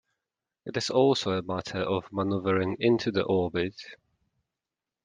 It is also a matter of maneuvering into the orbit.